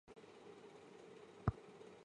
早期的辣椒螃蟹仅仅是用番茄酱爆炒。